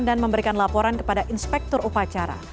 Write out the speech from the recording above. dan memberikan laporan kepada inspektor upacara